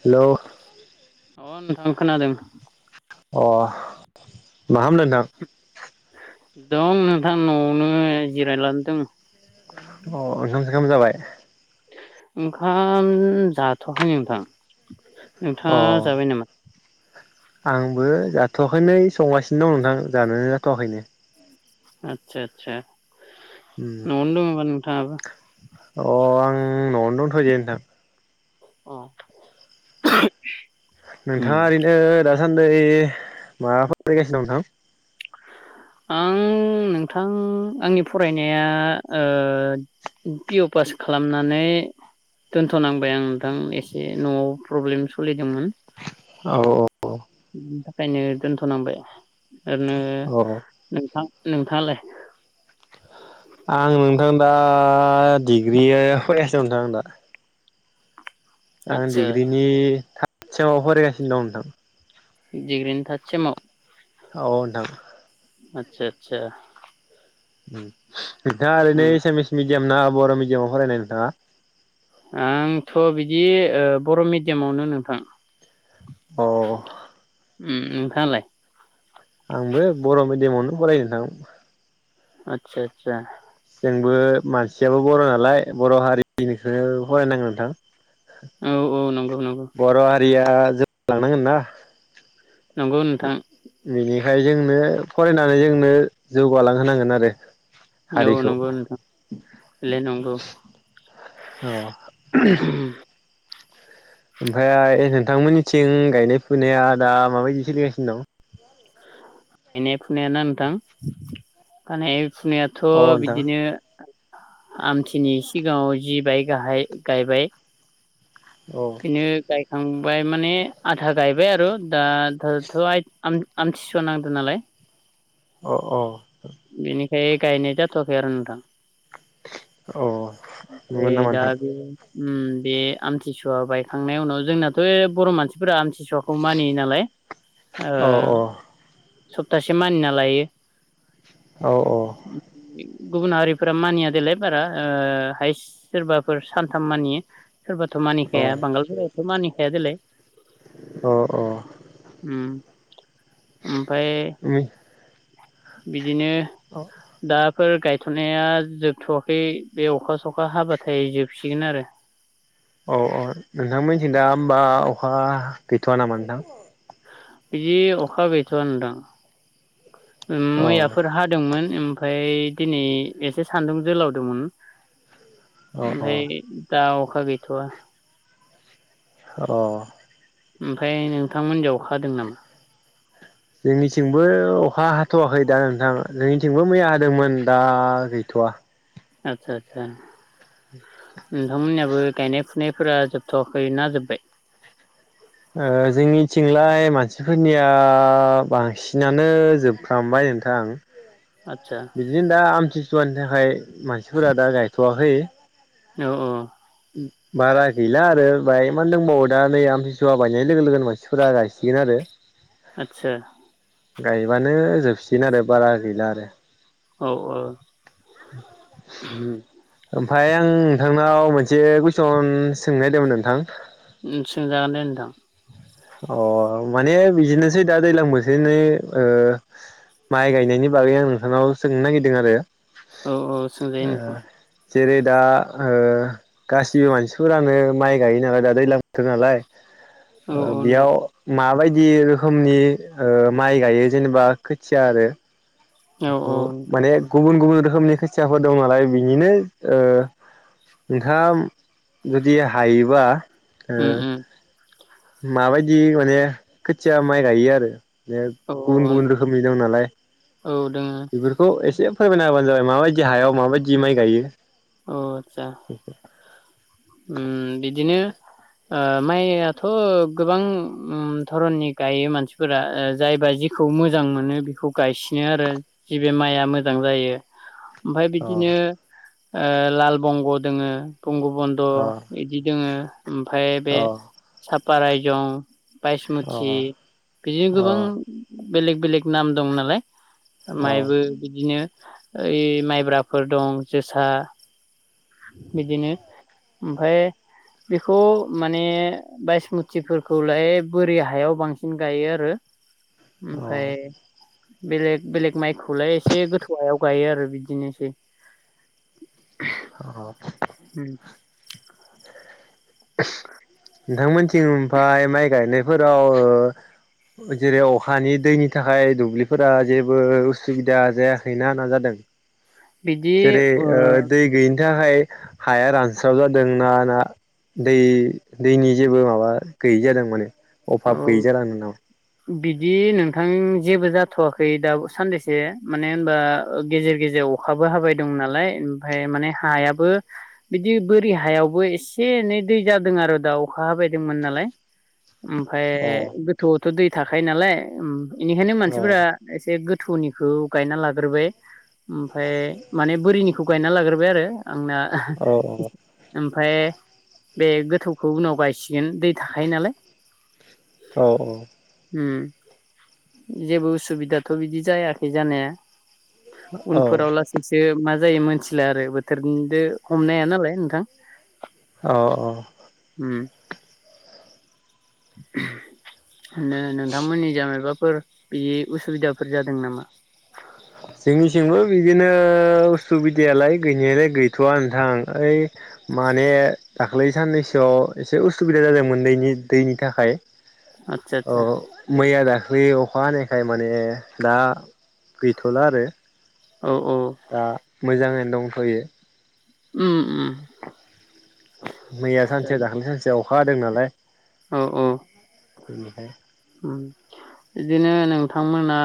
Hello अ नोंथां खानादों। अ माखामदों नोंथां? दं नोंथां न'आवनो जिरायलान दङ। अ ओंखाम सेखाम जाबाय ओंखाम जाथ'खायो नोंथां। अ नोंथाङा जाबाय नामा आंबो जाथ'वाखै नै संगासिनो दं नोंथां जानो जाथ'वाखैनो आथसा आथसा न'आवनो दङबा नोंथाङाबो अ आं न'आवनो दोंथ'यो नोंथां अह नोंथाङा ओरैनो दा सान्दै माबा फरायगासिनो नोंथां आं नोंथां आंनि फरायनाया ओ पिअ' पास खालामनानै दोनथ'नांबाय आं नोंथां एसे न'आव प्रब्लेम सलिदोंमोन। औ बेखायनो दोनथनांबाय ओरैनो औ औ नोंथां नोंथाङालाय आं नोंथां दा डिग्रिया फरायगासिनो नोंथां दा आं आदसा डिग्रिनि सेमाव फरायगासिनो दं नोंथां दिग्रिनि थारद सेमाव औ नोंथां आतसा आतसा उम नोंथाङा ओरैनो एसामिस मि मेडियाम ना बर' मिडियामाव फरायनाय नोंथाङा आंथ' बिदि ओ बर' मिडियामावनो नोंथां अह ओम नोंथाङालाय आंबो बर' मिडियामावनो फरायो नोंथां आतसा आतसा जोंबो मानसियाबो बर' नालाय बर' हारिनिखौ फरायनांगौ नोंथां। औ औ नंगौ नंगौ बर' हा रिया जोब लांनांगोन ना नंगौ नोंथां बेनिखाय जोंनो फरायनानै जोंनो जौगालांहोनांगोन आरो औ हारिखौ नंगौ नोंथां बेलाय नंगौ अ ओमफ्राय नोंथांमोननिथिं गायनाय फुनाया दा माबायदि सोलिगासिनो दं। गायनाय फुनायाना नोंथां माने फुनायाथ' दं बिदिनो आमथिनि सिगाङाव जिबाय गाहाय गायबाय अ बिनो गाय थांबाय माने आथा गायबाय आरो दा थ'-थ' आम-आम-आमथिसुवा नांदों नालाय। अह अह बे गायनाय जाथ'आखै आरो नोंथां [unintelligible] नंगौ ओइ नामा दा नोंथां बे उम बे आमथिसुवा बायखांनायनि उनाव जोंनाथ' बर' मानसिफोरा आमथि सुवाखौ मानिययो नालाय औ औ सप्तासे मानिना लायो औ औ गुबुन हारिफोरा मानिया देलाय बारा ओ हायस सोरबाफोर सानथाम मानियो। सोरबाथ' मानिखाया बांगालफोराथ' मानिखाया देलाय औ ओमफ्राय बिदिनो अह फोर गायथ'नाया जोबथ'वाखै बे अखा सखा हाबाथाय जोबसिगोन आरो अ औ नोंथांमोनथिं दा होमबा अखा गैथ'वा नामा नोंथां? बिदि अखा गैथ'आ नोंथां अ मैयाफोर हादोंमोन ओमफ्राय दिनै एसे सान्दुं जोलावदोंमोन अ ओफाय अ दा अ खा गैथ'आ अह ओमफ्राय नोंथांमोनजों अखाहादों नामा? जोंनिथिंबो अखा हाथ'वाखै दा नोंथां जोंनिथिंबो मैया हादोंमोन दा गैथ'वा आतसा आतसा नोंथांमोनहाबो गायनाय फुनाय फोरा जोबथ'आखै ना जोब्बाय? ओ जोंनिथिंलाय मानसिफोरनिया बांसिनानो जोबफ्रामबाय नोंथां। आदसा बिदिनो दा आमथिसुवानि नि थाखाय मानसिफोरा दा गायथ'वाखै औ औ बारा गैला आरो बाय मा दंबावो दा नै आमथिसुवा बायनाय लोगो लोगोन मानसिफोरा गायसिगोन आरो आतसा गायबानो जोबसिगोन आरो बारा गैला आरो औ औ ओम फाय आं नोंथांनाव मोनसे कुइसन सोंनो नागिरदोंमोन नोंथां उम सोंजागोन दे नोंथां अह माने बिदिनोसै दा दैज्लां बोथोरनि ओ माइ गायनायनि बागै आं नोंथांनाव सोंनो नागिरदों आरो औ औ सोंजायो ओ नोंथां जेरै दा ओ गासिबो मानसिफोरानो माइ गायो नालाय दा दैज्लां बोथोर नालाय औ औ बेयाव नोंथां माबायदि बायदि रोखोमनि माइ गायो जेनेबा खोथिया आरो औ बेखौ माने गुबुन गुबुन। रोखोमनि खोथियाफोर दं नालाय बिनिनो नोंथाङा जुदि हायोबा ए उम उम माबायदि माने खोथिया माइ गायो आरो बे औ गुबुन गुबुन रोखोमनि दं नालाय औ दोङो बेफोरखौ एसे फोरमायना होबानो जाबाय माबायदि हायाव माबायदि माइ गायो। अ आटसा उम बिदिनो माइयाथ' गोबां धरननि गायो मानसिफोरा जायबा जिखौ मोजां मोनो बेखौ गायसिनो आरो जि बे माइआ मोजां जायो। ओमफफ्राय अ बिदिनो। लाल बंग' दोङो। बंग बन्द अ बिदि दोङो। ओमफफ्राय अ बे साब। बारायजं। बायसमुथि बिदिनो अ गोबां। बेलेग बेलेग नाम दं नालाय। मायबो बिदिनो। ओइ माइब्राफोर दं जो। सा। बिदिनो ओमफाय बेखौ माने बायसमुथिफोरखौलाय बोरि हायाव बांसिन गायो आरो। अ ओमफ्राय। बेलेग बेलेग माइखौलाय एसे गोथौायाव गायो आरो बिदिनोसै। आं। उम। [inaudible] नोंथांमोनथिं ओमफ्राय माइ गायनायफोराव जेरै अखानि दैनि थाखाय दुब्लिफोरा जेबो उसुबिदा जायाखैना जादों। बिदि जेरै ओ दै गै बिनि थाखाय हाया रानस्राव जादों ना ना दै दैनि जेबो माबा गैयि जादों माने औ अभाब गैयै जाना दं नामा। बिदि नोंथां जेबो जाथ'वाखै दा सानदैसो माने होनबा गेजेर गेजेर अखाबो हाबाय दं नालाय ओमफाय माने हायाबो बिदि बोरि हायावबो एसे एनै दै जादों आरो दा अखा हाबायदोंमोन नालाय। ओमफ्राय अ गोथौआवथ' दै। थाखायो नालाय उम बेनिखायनो अ मानसिफोरा एसे गो थुनिखौ गायना लाग्रोबाय, ओमफ्राय माने बोरिनि खौ गायना लाग्रोबाय आरो आंना ओहो अ औ उम-' ओमफ्राय बे गोथौखौ उनाव गायसिगोन दै थाखायो नालाय औ-औ उम जेबो उसुबिदाथ बिदि जायाखै जानाया। उनफोराव औ लासैसो मा जायो मोनथिला आरो बोथोरनिदो हमनाया नालाय नोंथां। औ-औ उम नोंथांमोननि इजा मायबाफोर बि उसुबिदाफोर जादों नामा? थिंबो बिदिनो उसुबिदायालाय गैनायालाय गैथवा नोंथां ओइ माने दाखालै साननैसोआव एसे उसुबिदा जादोंमोन नैनि दैनि थाखाय। आदसा अ आदसा मैया दा? बै अखाहानायखाय माने दा गैथला आरो। औ औ दा मोजांङै दंथयो। उम-उम मैया सानसे दाखालि सानसेयाव अखाहादों नालाय औ-औ बेनिफ्राय ओम बिदिनो नोंथांमोना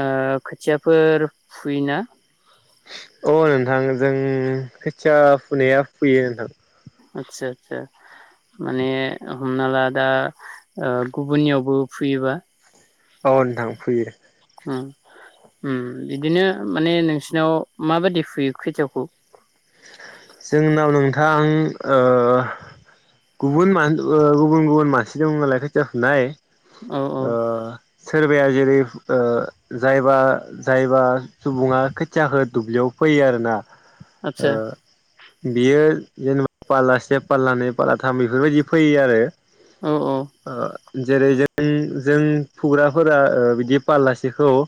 ओ खोथियाफोर फुयो ना। अ नोंथां जों खोथिया फुनाया फुयो नोंथां। आदसा आदसा माने हमना ला दा गुबुननियावबो फुयोबा। औ नोंथां फुयो। ओम ओम बिदिनो माने नोंसिनाव माबादि फुयो खोथियाखौ? आं ओ गुबुन मान ओ-गुबुन-गुबुन मानसि दंङोनालाय खायथिा फुनाय। औ औ ओ [inaudible] सोरबाया जेरै ओ जायबा-जायबा सुबुङा खोथियाखो दुब्लियाव फैयो आरोना। ओ आतसा बियो जेनेबा फालला से फालला नै फाललाथाम बेफोरबायदि फैयो आरो। औ औ आ जेरै जों जों फुग्राफोरा बिदि फालासेखौ ओ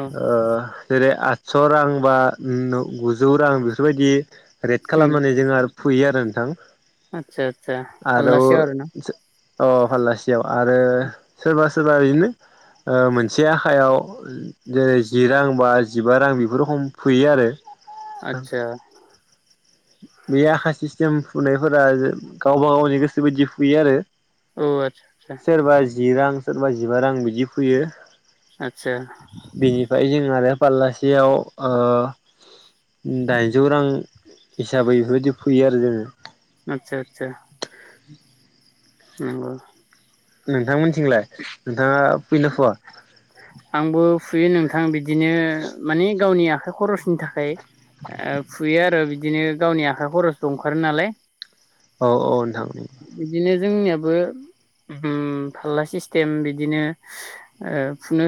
औ जेरै स रां बा उम गुजौ रां बेफोरबायदि। रेड उम खालामलारनानै जोंङो आरो फुयो आरो नोंथां। आतसा आतसा आरो फाललासेयाव ना आलासियाव आरो सोरबा सोरबा बिदिनो ओ मोनसे आखायाव जेरै जि रां बाजिबा रां बेफोर रखम फुयो आरो आथसा। बे आखा सिस्टेम फुनायफोरा गावबा गावनि गोसो बायदि फुयो आरो औ आतसा सोरबा जिरां सोरबा जिबा रां बिदि फैयो। आतसा बेनिफाय जों आरो फाललासेयाव ओ दाइनजौ रां। हिसाबै बेफोरबायदि फुयो आरो जोङो। आथसा आथसा नंगौ। नोंथांमोनथिंलाय नोंथाङा फुयोना फुया? आंबो फुयो नोंथां बिदिनो मानि गावनि आखाइ खरसनि थाखाय। ओ फुयो आरो बिदिनो गावनि आखाइ खरस अंखारो नालाय औ औ नोंथां बिदिनो जोंनियाबो ओ फाल्ला ओम सिस्टेम बिदिनो ओ फुनो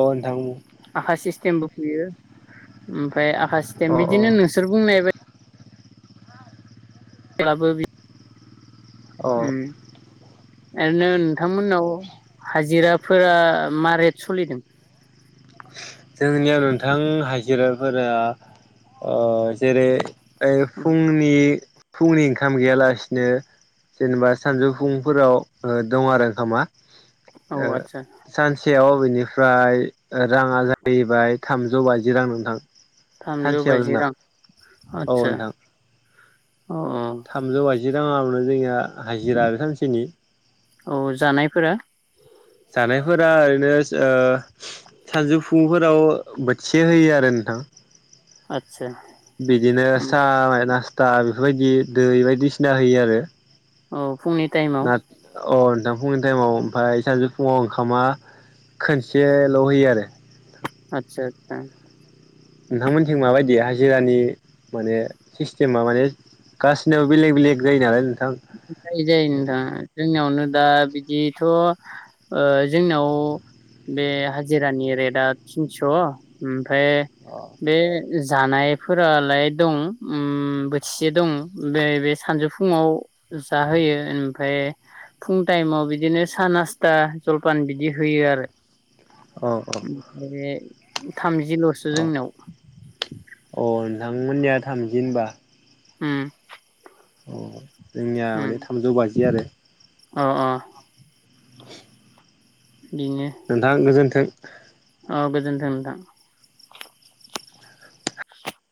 अ नोंथां आखा सिस्टेमबो फुयो। ओमफाय आखा स्टेम अ बिदिनो अ नोंसोर बुंनाय ब्लाबो बि अ उम्म ओरैनो नोंथांमोननाव हाजिराफोरा मा रेत सलिदों? [inaudible] जोंनियाव रो नोंथां हाजिरा फोरा अ जेरै ओइ फुंनि फुंनि ओंखाम गैयालासिनो जेनेबा सानजौफुंफोराव दं आरो ओंखामा। औ ओ आदसा सानसेयाव अबेनि फाय ओ राङा जाहैबाय थामजौ बाजि रां नोंथां। थामजौ सानसेयाव बाजि जोंना रां। औ आतसा नोंथां अ अ जि राङावनो जोंनिया हाजिरा आरो सानसेनि । औ जानायफोरा जानायफोरा ओरैनो ओ सानजौफुुंफोराव बोथिसे होयो आरो नोंथां । आत बिदिनो साह बाइ नासता बेफोरबायदि दै बायदिसिना होयो आरो । औ। फुंनि टाइमाव? अ नोंथां फुंनि टाइमाव ओमफ्राय सानजौ फुङाव ओंखामा खनसेल होयो आरो । आतसा आथसा । नोंथांमोनथिं माबायदि हाजिरानि माने सिस्टेमा माने गसिनबो बेलेग बेलेग जायो नालाय नों जायो जायो नोंथां जोंनियावनो दा बिदिथ ओ जोंनाव बे हाजिरानि रेटआ थिनस ओ मफाय अ बे जानायफोरालाय दं उम बोथिसे दं बे बे सानजौफुङाव जाहोयो ओमफफ्राय फुं टाइमाव बिदिनो सान आासथा जलपान बिदि होयो आरो । अ ओमफ्राय [unintelligible] थामजिलसो अ जोंनियाव नोंथांमोननिया थामजि होनबाबा? उम । औ। जोंनिया माने थामजौ बाजि आरो । अ अ। [unintelligible] नोंथा गोजोन्थों [unintelligible] औ गोजोन्थों नोंथां ।